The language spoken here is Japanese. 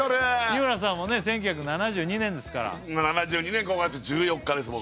日村さんも１９７２年ですから７２年５月１４日です